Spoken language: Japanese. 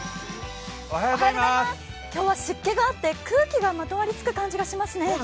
今日は湿気があって空気がまとわりつく感じがしますね。